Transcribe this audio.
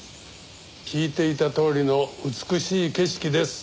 聞いていたとおりの美しい景色です。